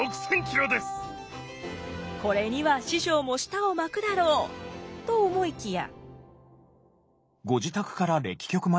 これには師匠も舌を巻くだろうと思いきや。